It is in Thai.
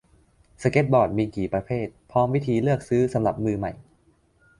สเกตบอร์ดมีกี่ประเภท พร้อมวิธีเลือกซื้อสำหรับมือใหม่